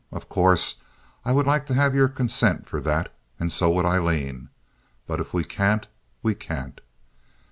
Of course, I would like to have your consent for that—so would Aileen; but if we can't, we can't."